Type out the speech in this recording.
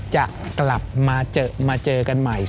จะกลับมาเจอกันใหม่